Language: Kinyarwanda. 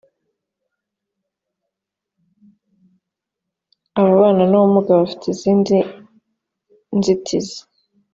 ababana n ‘ubumuga abafite izindi nzitizi